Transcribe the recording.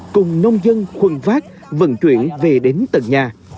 cùng nông dân khuân vác vận chuyển về đến tận nhà